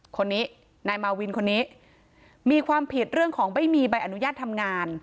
คนนี้นายมาวินคนนี้มีความผิดเรื่องของไม่มีใบอนุญาตทำงาน